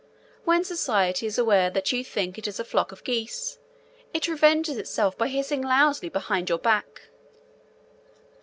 When society is aware that you think it a flock of geese, it revenges itself by hissing loudly behind your back.